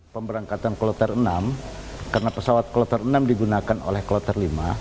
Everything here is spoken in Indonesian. pemberangkatan kloter enam karena pesawat kloter enam digunakan oleh kloter lima